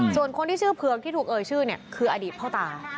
ส่วนคนที่ชื่อเผือกที่ถูกเอ่ยชื่อเนี่ยคืออดีตพ่อตา